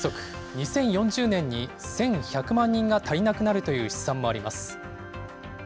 ２０４０年に１１００万人が足りなくなるという試算もあります。